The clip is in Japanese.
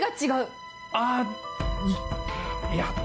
いや。